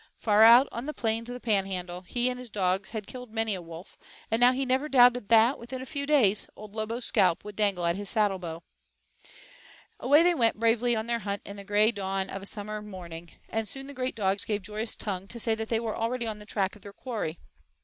Far out on the plains of the Panhandle, he and his dogs had killed many a wolf, and now he never doubted that, within a few days, Old Lobo's scalp would dangle at his saddlebow. Away they went bravely on their hunt in the gray dawn of a summer morning, and soon the great dogs gave joyous tongue to say that they were already on the track of their quarry.